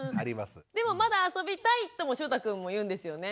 でもまだ遊びたいともしゅうたくんも言うんですよね？